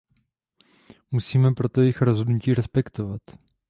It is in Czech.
Musíme proto jejich rozhodnutí respektovat.